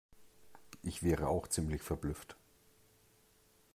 Ich wäre auch ziemlich verblüfft.